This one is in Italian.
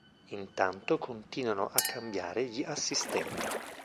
Intanto continuano a cambiare gli assistenti.